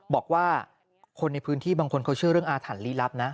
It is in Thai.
บอกว่าคนในพื้นที่บางคนเขาเชื่อเรื่องอาถรรพลี้ลับนะ